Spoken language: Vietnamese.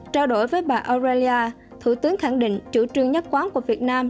trao đổi với bà orea thủ tướng khẳng định chủ trương nhất quán của việt nam